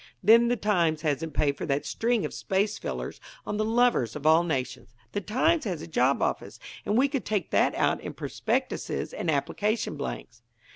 Then the Times hasn't paid for that string of space fillers on 'The Lovers of All Nations.' The Times has a job office, and we could take that out in prospectuses and application blanks."